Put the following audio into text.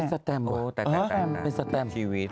สแตมเหรอเอาะทีวีด